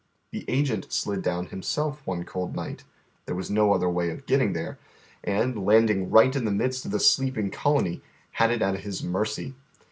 The agent slid down himself one cold night — there was no other way of getting there — and, landing right in the midst of the sleeping colony, had it at his mei cy.